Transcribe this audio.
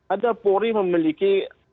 ada pori memiliki